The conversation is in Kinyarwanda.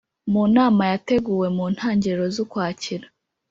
mu nama yateguwe mu ntangiriro z'ukwakira,